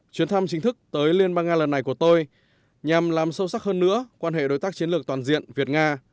chuyến thăm chính thức tới liên bang nga lần này của tôi nhằm làm sâu sắc hơn nữa quan hệ đối tác chiến lược toàn diện việt nga